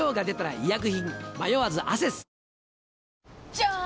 じゃーん！